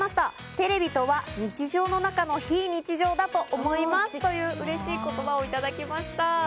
テレビとは、日常の中の非日常だと思いますといううれしい言葉をいただきました。